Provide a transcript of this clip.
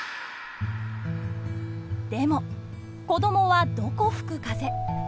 でも子どもはどこ吹く風。